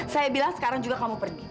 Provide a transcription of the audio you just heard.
saya bilang sekarang juga kamu pergi